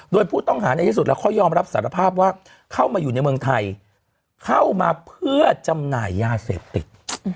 โดยผู้ต้องหาในที่สุดแล้วเขายอมรับสารภาพว่าเข้ามาอยู่ในเมืองไทยเข้ามาเพื่อจำหน่ายยาเสพติด